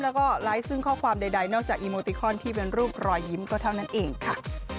แล้วก็ไลฟ์ซึ่งข้อความใดนอกจากอีโมติคอนที่เป็นรูปรอยยิ้มก็เท่านั้นเองค่ะ